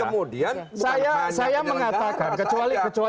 kemudian bukan hanya penyelenggara saja